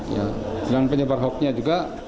ya dengan penyebar hoax nya juga